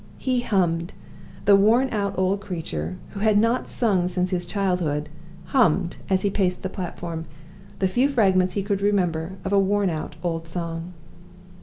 He hummed! The worn out old creature, who had not sung since his childhood, hummed, as he paced the platform, the few fragments he could remember of a worn out old song.